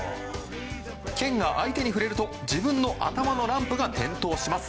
剣が相手に触れると自分の頭のランプが点灯します。